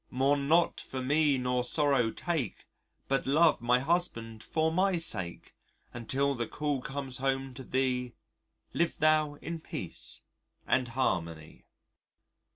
Mourn not for me nor sorrow take But love my husband for my sake Until the call comes home to thee, Live thou in peace and harmony.'"